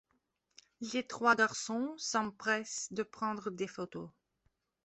Les trois garçons s'empressent de prendre des photos.